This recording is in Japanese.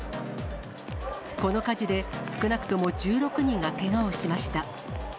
この火事で少なくとも１６人がけがをしました。